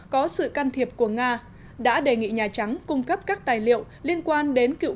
có sự can thiệp của nga đã đề nghị nhà trắng cung cấp các tài liệu liên quan đến cựu